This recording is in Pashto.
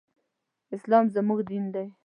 اسلام زموږ دين دی